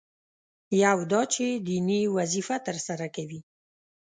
یو دا چې دیني وظیفه ترسره کوي.